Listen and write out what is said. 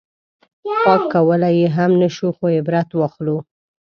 پاک کولی یې هم نه شو خو عبرت واخلو.